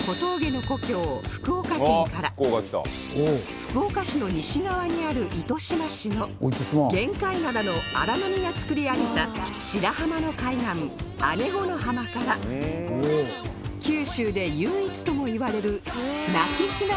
福岡市の西側にある糸島市の玄界灘の荒波が作り上げた白浜の海岸姉子の浜から九州で唯一ともいわれる鳴き砂がエントリー